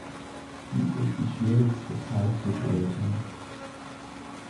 Dies ist die schwierigste Zeit für die Eltern.